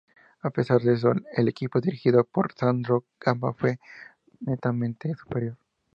A pesar de eso, el equipo dirigido por Sandro Gamba fue netamente superior.